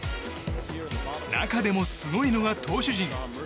中でもすごいのが投手陣。